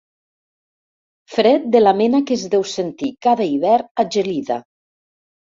Fred de la mena que es deu sentir cada hivern a Gelida.